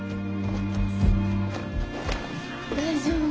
大丈夫？